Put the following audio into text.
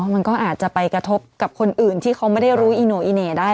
มันก็อาจจะไปกระทบกับคนอื่นที่เขาไม่ได้รู้อีโน่อีเหน่ได้